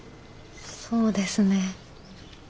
そうですね。